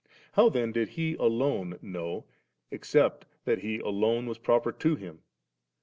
How then did He alone know, except that He alone was proper to Him